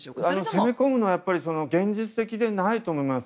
攻め込むのは現実的でないと思います。